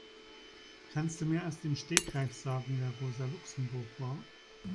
Kannst du mir aus dem Stegreif sagen, wer Rosa Luxemburg war?